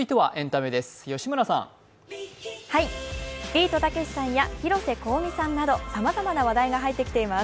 ビートたけしさんや広瀬香美さんなどさまざまな話題が入ってきています。